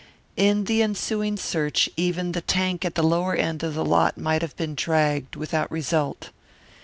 In the ensuing search even the tank at the lower end of the lot might have been dragged without result.